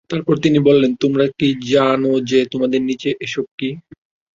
তারপর তিনি বললেনঃ তোমরা কি জান যে, তোমাদের নিচে এসব কী?